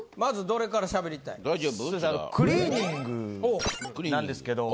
クリーニングなんですけど。